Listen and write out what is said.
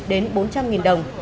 đến bốn trăm linh đồng